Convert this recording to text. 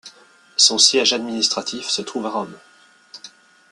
Son siège administratif se trouve à Rome.